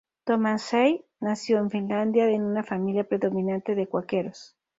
Thomas Say nació en Filadelfia en una familia prominente de cuáqueros.